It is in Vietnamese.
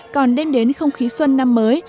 còn đem đến không khí xuân năm mới